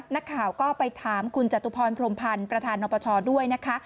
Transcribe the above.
นักข่าวก็ไปถามคุณจตุพรพรมพันธ์ประธานนปชด้วยนะคะ